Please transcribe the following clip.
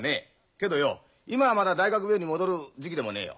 けどよ今はまだ大学病院に戻る時期でもねえよ。